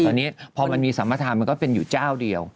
ตอนนี้พอมันมีสัมประธานมันก็เป็นอยู่เจ้าเดียว